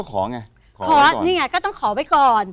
ก็ขอไงขอไว้ก่อน